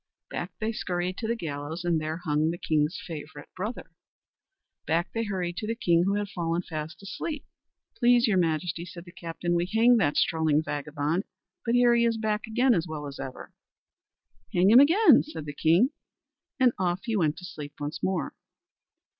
Back they scurried to the gallows, and there hung the king's favourite brother. Back they hurried to the king who had fallen fast asleep. "Please your Majesty," said the captain, "we hanged that strolling vagabond, but here he is back again as well as ever." "Hang him again," said the king, and off he went to sleep once more.